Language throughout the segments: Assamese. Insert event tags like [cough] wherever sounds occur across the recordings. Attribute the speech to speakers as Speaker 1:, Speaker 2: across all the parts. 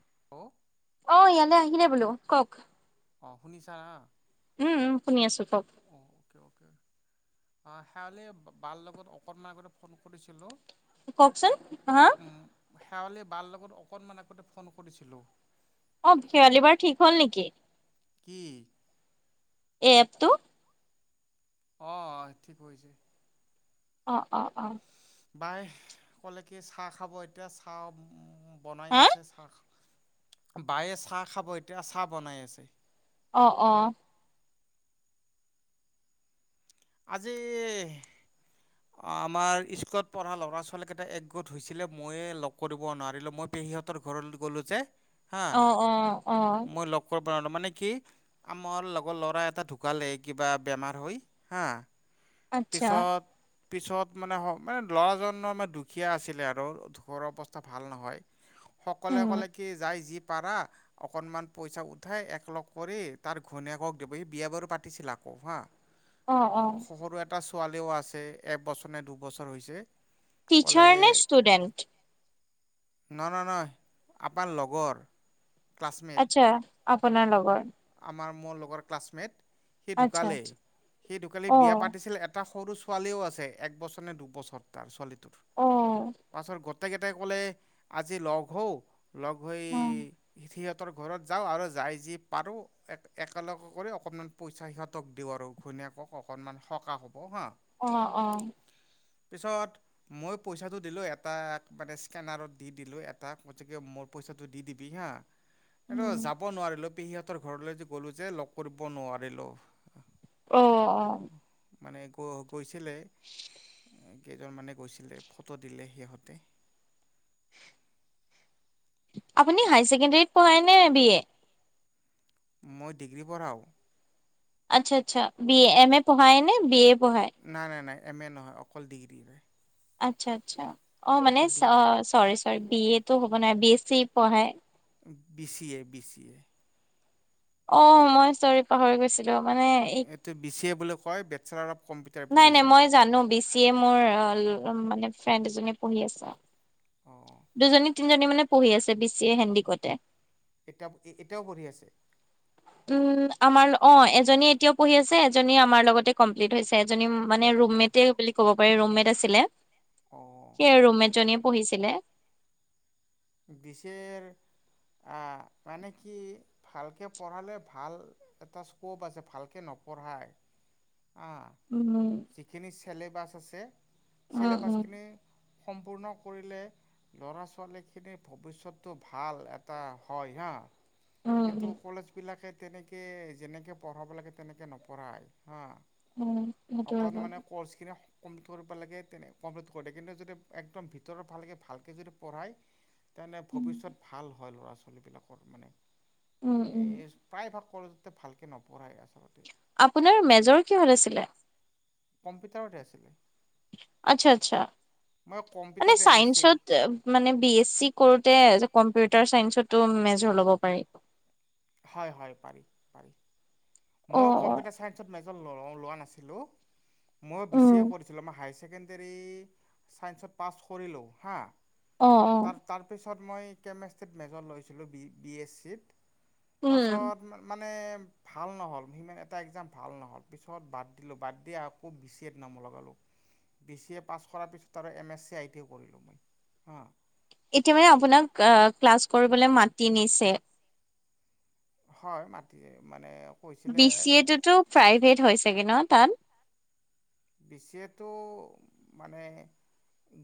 Speaker 1: [inaudible]
Speaker 2: অ' ইয়ালৈ আহিলে বোলো কওক।
Speaker 1: অ' শুনিছা না?
Speaker 2: উম উম শুনি আছো কওক।
Speaker 1: অ' শেৱালি বাৰ লগত অকমান আগতে ফোন কৰিছিলো।
Speaker 2: কওকচোন হা?
Speaker 1: শেৱালি বাৰ লগত অকণমান আগতে ফোন কৰিছিলোঁ।
Speaker 2: অ' শেৱালি বাৰ ঠিক হ'ল নেকি?
Speaker 1: কি?
Speaker 2: এই এপটো?
Speaker 1: অ' আজি ঠিক কৰিছে।
Speaker 2: অ' অ' অ'।
Speaker 1: বাই ক'লে কি চাহ খাব এতিয়া চাহ বনাই
Speaker 2: হা
Speaker 1: আছে চাহ বায়ে চাহ খাব এতিয়া চাহ বনাই আছে।
Speaker 2: অ' অ'।
Speaker 1: আজি আমাৰ স্কুলত পঢ়া ল'ৰা ছোৱালীকেইটা একগোট হৈছিলে, ময়ে লগ কৰিব নোৱাৰিলোঁ মই পেহীহঁতৰ ঘলৈ গলো যে। হা
Speaker 2: আহ অ' আহ।
Speaker 1: মই লগ কৰিব মানে কি আমাৰ লগৰ ল'ৰা এটা ঢুকালে কিবা বেমাৰ হৈ। হা
Speaker 2: আচ্ছা
Speaker 1: পিছত পিছত মানে মানে ল'ৰাজনৰ ম দুখীয়া আছিলে আৰু ঘৰৰ অৱস্থা ভাল নহয়। সকলে
Speaker 2: উম
Speaker 1: ক'লে কি যাই জীপ পাৰা অকণমান পইচা উঠাই একলগ কৰি তাৰ ঘণীয়েকক দিব সি বিয়া বাৰু পাতিছিল আকৌ হা।
Speaker 2: আহ অ'।
Speaker 1: সৰু এটা ছোৱালীও আছে এবছৰ নে দুবছৰ হৈছে।
Speaker 2: টিচাৰ নে ষ্টুডেণ্ট?
Speaker 1: ন ন নয় আমাৰ লগৰ। ক্লাছমেট
Speaker 2: আচ্ছা আ আপোনাৰ লগত।
Speaker 1: আমাৰ, মোৰ লগৰ ক্লাছমেট। সি
Speaker 2: আচ্ছা
Speaker 1: ঢোকালেই,
Speaker 2: আচ্ছা
Speaker 1: সি ঢোকালি
Speaker 2: অ
Speaker 1: বিয়া পাতিছিল এটা সৰু ছোৱালীও আছে, একবছৰ নে দুবছৰ তাৰ ছোৱালী।
Speaker 2: অ
Speaker 1: পাছৰ গত গোটেই কেইটাই কলে আজি লগ হওঁ। লগ হৈ
Speaker 2: অ
Speaker 1: সি ত তৰ ঘৰত যাওঁ আৰু যাই যি পাৰোঁ এক একেলগে কৰি অকণমান পইচা সিহঁতক দিওঁ আৰু ঘূণীয়েকক অকণমান সকাহ হ'ব হা।
Speaker 2: অ' অ'।
Speaker 1: পিছত মই পইচাটো দিলোঁ এটা মানে স্কেনাৰত দি দিলোঁ এটা গতিকে মোৰ পইচাটো দি দিবি হা। এইটো
Speaker 2: উম
Speaker 1: যাব নোৱাৰিলো। পেহী ঘৰলৈ যে গ'লো যে, লগ কৰিব নোৱাৰিলো।
Speaker 2: অ অ
Speaker 1: মানে গ গৈ লে কেইজন মানে গৈছিলে, ফটো দিলে সিহঁতে।
Speaker 2: আপুনি হায় ছেকেণ্ডৰীত পঢ়ায় নে বি এ?
Speaker 1: মই ডিগ্ৰী পঢ়াও।
Speaker 2: আচ্ছা আচ্ছা বি এ, এম এ পঢ়ায় নে, বি এ পঢ়ায়
Speaker 1: নাই নাই নাই। এম এ নহয়, অকল ডিগ্ৰীৰে।
Speaker 2: আচ্ছা আচ্ছা। অ' মানে
Speaker 1: অকল ডিগ্ৰী
Speaker 2: অ' চৰি বি এ টো হ'ব নাই বি এছ চি পঢ়াই।
Speaker 1: বিছি এ বিছি এ।
Speaker 2: অ' মই চৰি পাহৰি গৈছিলো। মানে
Speaker 1: এইটো বি চি এ বুলি কয় বেষ্টচেলাৰ অফ কম্পিউটাৰ
Speaker 2: নাই নাই
Speaker 1: এপ্লিকেশ্যন
Speaker 2: মই জানো বি চি এ মোৰ এ মানে ফ্ৰেণ্ড এজনে পঢ়ি আছে।
Speaker 1: অ'।
Speaker 2: দুজনী তিনিজনী মানে পঢ়ি আছে বি চি এ হেণ্ডিকটে।
Speaker 1: এতিয়া এতিয়াও পঢ়ি আছে।
Speaker 2: উম' আমাৰ অ' এজনী এতিয়াও পঢ়ি আছে এজনী আমাৰ লগতে কমপ্লিট হৈছে। [unintelligible] মানে
Speaker 1: অঁ
Speaker 2: ৰুমেটে বুলি ক'ব পাৰি ৰুমেট
Speaker 1: অঁ
Speaker 2: [unintelligible] ৰুমমেট জনী পঢ়িছিলে।
Speaker 1: [unintelligible] অ' মানে কি ভালকে পঢ়ালে ভাল এটা স্ক'প আছে ভালকৈ নপঢ়াই অ'
Speaker 2: উম
Speaker 1: যিখিনি চেলেবাছ আছে।
Speaker 2: উম উম
Speaker 1: চিলবাছখিনি সম্পূৰ্ণ কৰিলে ল'ৰা ছোৱালীক [unintelligible] ভৱিষ্যতটো ভাল এটা হয় হা।
Speaker 2: উম
Speaker 1: কিন্তু
Speaker 2: উম
Speaker 1: কলেজ বিলাকে তেনেকৈ যেনেকৈ পঢ়াব লাগে তেনেকৈ নপঢ়াই। হা,
Speaker 2: উম সেইটো হয়
Speaker 1: অকণ
Speaker 2: বাৰু।
Speaker 1: মানে কৰ্চ কিনি কমপ্লিট কৰিব লাগে তেনে কমপ্লিট কৰি কিন্তু যদি একদম ভিতৰৰ ভালকে ভালকে যদি পঢ়াই তেনে
Speaker 2: উম
Speaker 1: ভৱিষ্যত ভাল হয় ল'ৰা ছোৱলীবিলাকক মানে
Speaker 2: উম', উম'।
Speaker 1: প্ৰায়ভাগ কলেজতে ভালকৈ নপঢ়াই আচলতে।
Speaker 2: আপোনাৰ মেজৰ কিহত আছিলে।
Speaker 1: কম্পিউটাৰতে আছিলে।
Speaker 2: আচ্ছা আচ্ছা,
Speaker 1: মই
Speaker 2: মানে
Speaker 1: কম্পিউটাৰত এম এছ চি
Speaker 2: চাইন্সত মানে বি এছি কৰ [unintelligible] কম্পিউটাৰ চাইন্সতো মেজৰ ল'ব পাৰি।
Speaker 1: হয়, হয় পাৰি পাৰি।
Speaker 2: অ অ
Speaker 1: মই কম্পিউটাৰ চাইন্সত মে [unintelligible] লোৱা নাছিলো মই বি চি এ
Speaker 2: উম
Speaker 1: কৰিছিলো আমাৰ হাইছ ছেকেণ্ডেৰী ছাইন্সত পাছ কৰিলো হা,
Speaker 2: অ অ
Speaker 1: ত তাৰ পিছ পছত মই কেমেষ্ট্ৰিত মেজৰ লৈছিলো, বি বি এছ চিত।
Speaker 2: উম
Speaker 1: পাছত মানে ভাল নহিল এটা ভাল নহ পিছত বাদ দিলো বাদ দি আকৌ বি চি এ নাম লগো বি চি এ পাছ কৰ পিছ আৰু এ মে চি লো হা
Speaker 2: এতিয়া মানে আপোনাক ক্লাছ কৰিবলৈ মাতি নিছে
Speaker 1: হয় মাটি মানে কৈছিলে
Speaker 2: বি চি এ তোতো প্ৰাইভেট হয় চগে ন তাত?
Speaker 1: বি চি এ টো মানে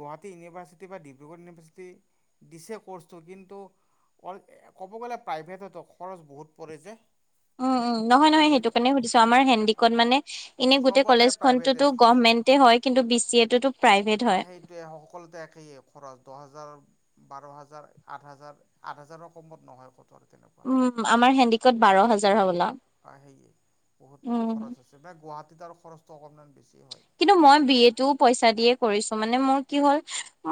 Speaker 1: গুৱাহাটী ইউনিভাৰ্চিটি বা ডিব্ৰুগড় ইউনিভাৰ্চিটি দিছে ক'ৰ্চটো, কিন্তু অ' ক'ব গ'লে প্ৰাইভেটতো খৰচ বহুত পৰে যে।
Speaker 2: উম, উম নহয়, নহয় সেইটো
Speaker 1: এনে
Speaker 2: কাৰণে সুধিছো। আমাৰ হেণ্ডিকত
Speaker 1: অ
Speaker 2: মানে এনে গোটেই
Speaker 1: চবতে
Speaker 2: কলেজখনত
Speaker 1: প্ৰাইভেটে
Speaker 2: টো
Speaker 1: সক
Speaker 2: গভমেন্টে হয়, কিন্তু বি চি এ টো
Speaker 1: অ, সেইটোয়ে সকলোতে একেইে খৰচ দহ হাজাৰ বাৰ হাজাৰ, আঠ হাজাৰ, আঠ হাজাৰৰ কমত নহয় প্ৰথম।
Speaker 2: উম আমাৰ হেণ্ডিকত বাৰ হাজাৰ হ'বলা।
Speaker 1: সেয়ে বহুত
Speaker 2: উম
Speaker 1: খৰচ হৈছে [unintelligible] খৰচটো অকণমান বেছ
Speaker 2: কিন্তু মই বি এটো পইচা দিয়ে কৰিছোঁ মানে মোৰ কি হ'ল,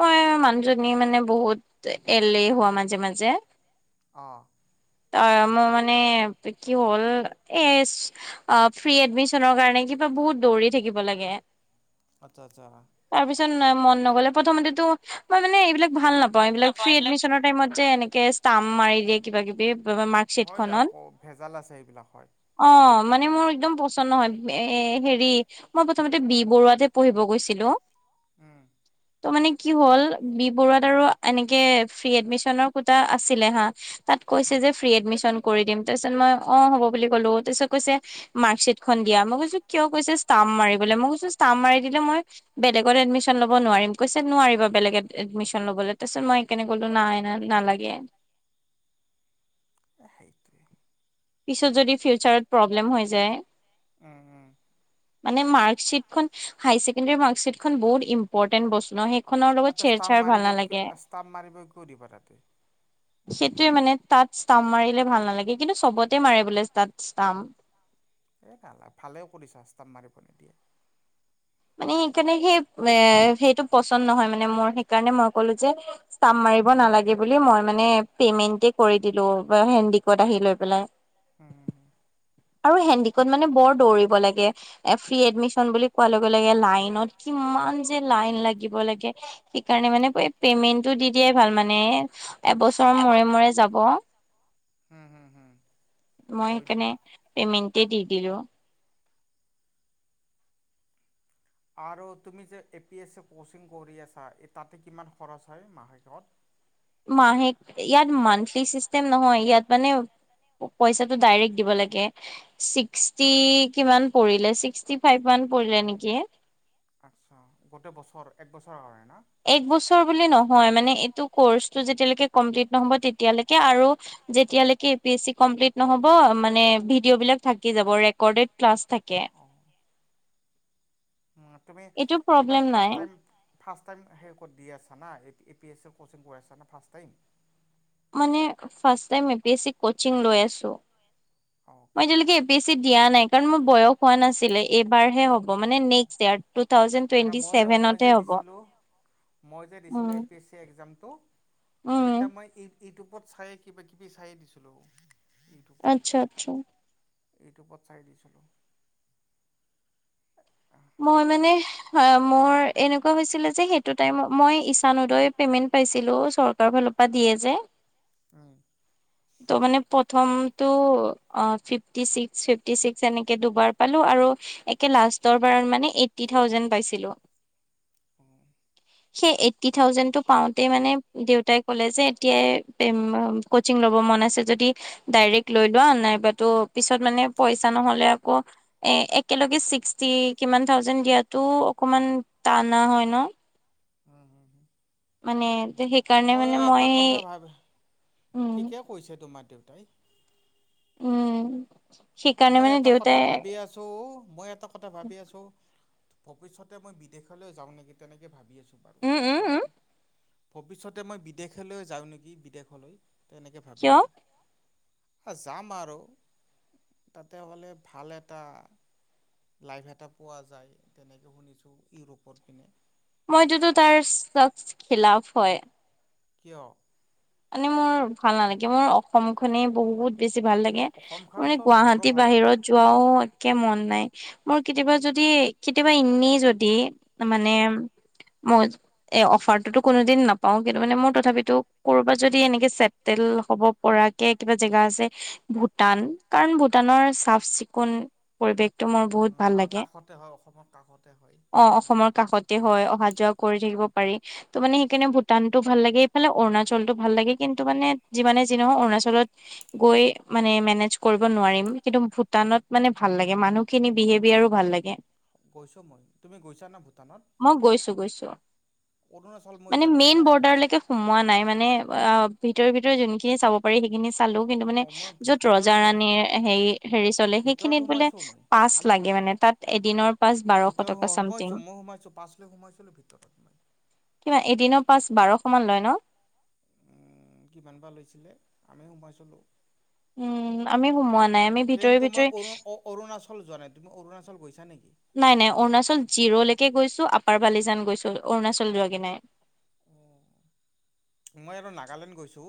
Speaker 2: মই মানুহজনী মানে বহুত এলেহুৱা মাজে, মাজে।
Speaker 1: অ'।
Speaker 2: অ', মোৰ মানে কি হ'ল এ, আ, ফ্ৰী এডমিচনৰ কাৰণে কিবা বহুত দৌৰি থাকিব লাগে।
Speaker 1: আতচ্ছা, আচ্ছা।
Speaker 2: [unintelligible] মন নগ'লে প্ৰথমতেটো মই মানে এইবিলাক ভাল নাপ [unintelligible] এই বিলাক ফ্ৰী এডমিচনৰ টাইমত যে, এনেকে তাম মাৰি দিয়ে কিবা কিবি মাৰ্কশ্বিট
Speaker 1: হয়, দে
Speaker 2: খনত
Speaker 1: আকৌ ভেজাল আছে এইবিলাকৰ।
Speaker 2: অ মানে মোৰ একদম পচন্দ নহয়, এ-এ হেৰি মই প্ৰথমতে বি বৰুৱাতহে পঢ়িব গৈছিলোঁ।
Speaker 1: উম।
Speaker 2: ত' মানে কি হ'ল, বি বৰুৱাত আৰু এনেকে ফ্ৰী এডমিচনৰ কোটা আছিলে হা তাত কৈছে
Speaker 1: উম।
Speaker 2: যে, ফ্ৰী এডমিচন কৰি দিম, তাৰ পিছত মই অ', হ'ব বুলি ক'লো তাৰ পিছত কৈছে
Speaker 1: কৈছে
Speaker 2: মাৰ্কশ্বিট খন দিয়া, মই কৈছোঁ কিয়? কৈছে ষ্টাম মাৰি [unintelligible] মই কৈছোঁ ষ্টাম মাৰি দিলে মই বেলেগত এডমিচন ল'ব নোৱাৰিম, কৈছে নোৱাৰিবা বেলেগত এড-এডমিচন ল'ব তাৰছত মই সেইকাৰনে ক'লো নাই নালা
Speaker 1: সেইটোৱে
Speaker 2: পিছত যদি ফিউচাৰত হৈ যায়।
Speaker 1: উম উম।
Speaker 2: মানে মাৰ্কশিট খ, হাইছেকী ম- খ বহুত ইম্পৰটেন্ট বস্তু ন! সেইখনৰ লগত
Speaker 1: তাতে ষ্টাম্প
Speaker 2: চেৰ-চেৰ ভাল
Speaker 1: মাৰিব কিয়
Speaker 2: নালাগে।
Speaker 1: ষ্টাম্প মাৰিব কিয় দিব তাতে।
Speaker 2: সেইটোয়ে মানে- তাত ষ্টাম্প মাৰিলে ভাল নালাগে, কিন্তু চবত- ততে মাৰে বোলে তাত
Speaker 1: এ নালা ভালেও কৰিছো আস্তাপ মাৰিব নিদিয়ে।
Speaker 2: মানে সেইকাৰণে, সেই-সেইটো পচন্দ নহয়, মান মোৰ সেইকাৰণে মই কলো যে, মাৰ নালাগে বুলি মই মানে পেমেন দিলো হেডিকত আহিৈ পেলাই।
Speaker 1: হম'' হ'
Speaker 2: হেডিকত মানে বৰ- [unintelligible] লাইনত কিমান যে লাইন লাগিব লাগে। সেইকাৰণে মানে পেমেন্টটো দি দিয়াই ভাল মানে। এবছৰৰ মূৰে মূৰে যাব।
Speaker 1: হম' হুম' হুম।
Speaker 2: মই
Speaker 1: হয় দিয়া।
Speaker 2: সেইকাৰণে পেমেট এ দি দিলো।
Speaker 1: আৰু তুমি যে A P S C coaching কৰি আছা, এ তাতেই কিমান খৰচ হৈ মাহেকে?
Speaker 2: মাহেক, ইয়াত মান্থলি চিষ্টেম নহয়, ইয়াত মানে পইচাটো ডাইৰেক্ট দিব লাগে, ষিশতি কিমান পৰিলে, ষিশতি ফাইভ। মান পৰিলে নেকি?
Speaker 1: আচছা গোটেই বছৰ, এক বছৰ? হয়।
Speaker 2: এক বছৰ বুলি নহয়, মানে এইতো কোৰ্চটো যেতিয়া লৈকে কমপ্লিত নহব তেতিয়া লৈকে আৰু য়েতিয়া লৈকে A P S C complete নহব, মানে ভিডিঅ বিলাক থাকি যাব ৰেকৰ্ডেড। ক্লাছ থাকে।
Speaker 1: উ তুমি
Speaker 2: এইটো
Speaker 1: এইবাৰ
Speaker 2: প্ৰব্লেম নাই
Speaker 1: ফাৰ্ষট টাইম ফাৰ্ষ্ট টাইম সে ক'ত দি আছা? এ পি এছ চিৰ কো'চিং কৰাইছানা ফাৰ্ষ্ট টাইম?
Speaker 2: মানে first time A P S C coaching লৈ আছো। টো মই
Speaker 1: অ'কে।
Speaker 2: আজিলৈকে এ পি এচ চি দিয়া নাই। কাৰণ মোৰ বয়স কোৱা নাছিল। এইবাৰ হে হ'ব, মানে
Speaker 1: অ'
Speaker 2: নেক্স টাইম, টো থাওজেন্ড
Speaker 1: মানে
Speaker 2: টোৱেন্টি
Speaker 1: মই মই
Speaker 2: চেভেনত
Speaker 1: যে
Speaker 2: হে হ'ব,
Speaker 1: দিছিলোঁ মই যে দিছিলোঁ
Speaker 2: উম।
Speaker 1: এ পি এছ চি এক্সামটো তেতিয়া
Speaker 2: উম
Speaker 1: মই এই ইউটিউবত চাইে কিবা কিবি চায়ে দিছিলো।
Speaker 2: আচ্ছা আচ্ছা।
Speaker 1: এইটোউবত চাই দিছিলোঁ।
Speaker 2: মই মানে, মোৰ এনেকুৱা হৈছিলে যে সেইটো টাইমত, মই ইচান উদয়ৰ পেমেন্ট পাইছিলো, চৰকাৰৰ ফালৰ পৰা দিয়ে যে।
Speaker 1: উম,
Speaker 2: তো মানে প্ৰথমটো অ' ফিফিক্স ফিফটি চিক্স, এনেকে দুবাৰ পালো আৰু একে লাষ্টৰ দেন মানে এইট্টি থাউজেন্ড পাইছিলো।
Speaker 1: উম,
Speaker 2: সেই এইট্টি থাউজেণ্ডটো পাওঁতে মানে দেউতাই কলে যে, এতিয়াই কচিং লব মন আছে যদি ডাইৰেক্ট লৈ লোৱা, নাইবাতো পিছত মানে পইচা নহলে আকৌ এ একেলগে চিক্সটি কিমান থাউজেড দিয়ো অকমান টানা হয় ন।
Speaker 1: উম হম হু।
Speaker 2: মানে সেইকাৰণে মানে মই
Speaker 1: কথা ভাবি
Speaker 2: উম।
Speaker 1: ঠিকে কৈছে [unintelligible]
Speaker 2: উম। সেইকাৰণে
Speaker 1: মই
Speaker 2: মানে
Speaker 1: এটা কথা
Speaker 2: দেউতাই
Speaker 1: ভাবি আছো মইত এটা কথা ভাবি আছো। ভৱিষ্যতে মই বিদেশলৈ যাওঁ নেকি তেনেকে ভাবি আছো। বাৰু
Speaker 2: উম উম
Speaker 1: চাওঁ
Speaker 2: উম
Speaker 1: ভৱিষ্যতে মই বিদেশলৈ যাওঁ নেকি বিদেশলৈ তেনেকে ভাবি
Speaker 2: কিয়
Speaker 1: আছো আ যামাআৰু তাতে হ'লে ভাল এটা লাইফ এটা পোৱা যায় তেনেকে শুনিছোঁ ইউৰোপত পিনে
Speaker 2: মইততো
Speaker 1: চাওঁ
Speaker 2: তাৰ খিলাফ হয়
Speaker 1: কিয়
Speaker 2: মানে মোৰ ভাল নালাগে মোৰ অসম খনেই বহুত বেছি বেছি ভাল লাগে মানে
Speaker 1: মোৰ
Speaker 2: গুৱাহাটী
Speaker 1: ভাল নালাগে মোৰ অসমখনেই বহুত বেছি ভাল লাগে অসমখনতো মোৰো ভাল লাগে।
Speaker 2: বাহিৰত যোৱাও একে মন নাই মোৰ কেতিয়াবা যদি কেতিয়াবা এনে যদি মানে মই এ অফাৰটোতো কোনোদিন নাপাও কিন্তু মানে মোৰ তথাপিতো কৰ'বাত যদি এনেকে চেটেল হ'ব পৰাকে কিবা জেগা আছে ভূটান কাৰণ ভূটানৰ চাফ চিকুণ পৰিৱেশ। মোৰ বহুত ভাল
Speaker 1: বাহিৰত যোৱাও একে মন নাই পৰিৱেশ আৰু
Speaker 2: লাগে
Speaker 1: কাষতে হয় অসমৰ কাষতে হয়
Speaker 2: অ অসমৰ কাষতে হয় অহা যোৱা কৰি থাকিব পাৰি ত মানে সেইকাৰণে ভূটানতটো ভাল লাগে এইফালে অৰুণাচল লটো ভাল লাগে কিন্তু মানে যিমানে যি নহয় অৰুণাচলত গৈ মানে মেনেজ কৰিব নোৱাৰিম কিন্তু ভূটানত মানে ভাল লাগে মানুহখিনি বিহেভিয়াৰো ভাল লাগে।
Speaker 1: গৈছো মই তুমি গৈছাানা ভূটানত
Speaker 2: মই গৈছো গৈছো
Speaker 1: অৰুণাচল মই যোৱা নাই অৰুণাচল নাই
Speaker 2: ভিতৰ ভিতৰত যোনখিনি চাব পাৰি সেইখিনি কিন্তু
Speaker 1: মানে ভিতৰে ভিতৰে যেনেখিনি চাব পাৰি সেইখিনি অঁ মই ভি
Speaker 2: য'ত
Speaker 1: ভিতৰত
Speaker 2: ৰজা ৰাণি
Speaker 1: সোমাইছোঁ
Speaker 2: হেৰী চলে
Speaker 1: ভিতৰত
Speaker 2: সেইখিনিত
Speaker 1: সোমাইছোঁ মই
Speaker 2: পাছ
Speaker 1: আমি
Speaker 2: লাগে
Speaker 1: ভি
Speaker 2: বোলে তাত এদিন পাছ বাৰশ
Speaker 1: ভিতৰত
Speaker 2: টকা চামথিং
Speaker 1: সোমাইছোঁ মই সোমাইছোঁ পাছ লৈ সোমাইছিলোঁ ভিতৰত মই
Speaker 2: কিমান এদিন পাঁচ বাৰশ মান লয় ন
Speaker 1: কিমান বা লৈছিলে আমি সোমাই চলোঁ
Speaker 2: উম আমি সোমোৱা নাই আমি ভিতৰি
Speaker 1: কিন্তু মই
Speaker 2: ভিতৰি
Speaker 1: অৰু অৰুণাচল যোৱা নাই তুমি অৰুণাচল গৈছানিকি
Speaker 2: নাই নাই অৰুণাচল জিৰ'লৈকে গৈছো আপাৰ বালিজান গৈছো অৰুণাচল যোৱ গৈ নাই।
Speaker 1: অ মই আৰু নাগালেণ্ড গৈছো।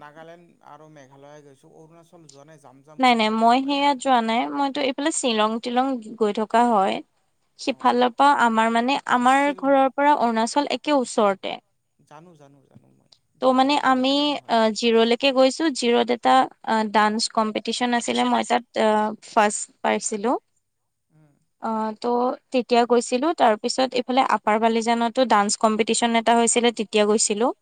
Speaker 1: নাগালেণ্ড আৰু মেঘালয়ে গৈছো অৰুণাচল যোৱা নাই যাম যাম
Speaker 2: নাই
Speaker 1: বুলি
Speaker 2: নাই
Speaker 1: ভাবি
Speaker 2: মই
Speaker 1: যোৱাই হোৱা
Speaker 2: সেয়াাত যোৱা নাই মইতো এইফালে শ্বিলং তিলং গৈ থকা হয়
Speaker 1: অ
Speaker 2: সিফালৰ পৰা আমাৰ মানে আমাৰ
Speaker 1: আছিল।
Speaker 2: ঘৰৰ পৰা অৰুণাচল একে ওচৰতে।
Speaker 1: জানো জানো জানো মই
Speaker 2: ত'
Speaker 1: গহপুৰৰ
Speaker 2: মানে
Speaker 1: পৰা
Speaker 2: আমি
Speaker 1: বেছি দূৰ নহয়।
Speaker 2: জিৰ'লৈকে গৈছো জিৰ'ত এটা অ ডান কম্পি টিউচন আছিলে মই তাত অ ফাৰ্ষ্ট পাইছিলোঁ।
Speaker 1: উম
Speaker 2: অ ত তেতিয়া গৈছিলো তাৰ পিছত এইফালে আপাৰ বালিজানতো ডান্স কম্পিটিচন এটা হৈছিলে তেতিয়া গৈছিলো।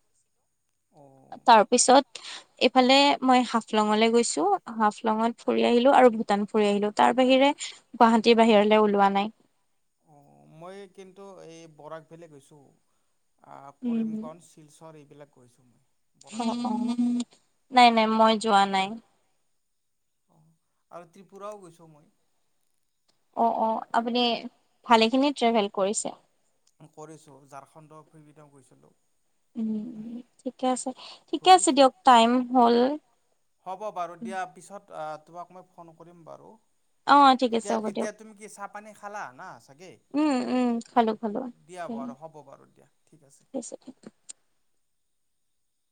Speaker 1: অ
Speaker 2: তাৰ পিছত। ইফালে মই হাফলংলৈ গৈছো হাফলং ফুৰি আহিলো আৰু ভূটান ফুৰি আহিলো। তাৰ বাহিৰে গুৱাহাটীৰ বাহিৰলে ওলোৱা নাই।
Speaker 1: অ মই কিন্তু এই বৰাক ভেলী গৈছো। আহ কৰিমগঞ্জ শিলচৰ এইবিলাক গৈছোঁ। বৰাক
Speaker 2: [unintelligible] অঁ
Speaker 1: ভেলী
Speaker 2: অঁ,
Speaker 1: ঘূৰিছোঁ।
Speaker 2: নাই নাই মই যোৱা নাই। [unintelligible]
Speaker 1: অহ, আৰু ত্ৰিপুৰাও গৈছোঁ মই।
Speaker 2: অ অ আপোনি ভালেই খিনি ট্ৰেভেল কৰিছে।
Speaker 1: কৰিছো ঝাৰখণ্ডৰ ফিনিতেও গৈছিলো।
Speaker 2: উম ঠিকে আছে ঠিকে আছে
Speaker 1: ঘূৰিছোঁ।
Speaker 2: দিয়ক টাইম হল।
Speaker 1: আ তোমাক মই ফোন কৰিম বাৰু।
Speaker 2: অ ঠিক আছে হ'ব দিয়ক
Speaker 1: এতিয়া তুমি কি চাহপানী খালা না চাগে?
Speaker 2: উম উম খালো খালো
Speaker 1: দিয়া বাৰু
Speaker 2: ঠিক
Speaker 1: হ'ব বাৰু দিয়া ঠিক আছে।